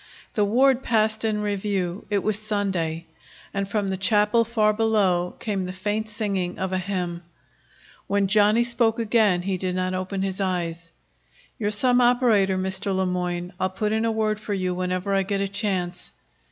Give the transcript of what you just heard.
The ward passed in review. It was Sunday, and from the chapel far below came the faint singing of a hymn. When Johnny spoke again he did not open his eyes. "You're some operator, Mr. Le Moyne. I'll put in a word for you whenever I get a chance."